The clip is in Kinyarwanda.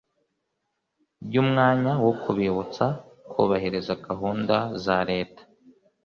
yumwanya wo kubibutsa kubahiriza gahunda za Leta